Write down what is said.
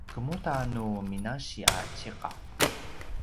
kemuda nu minasi a ciqaw?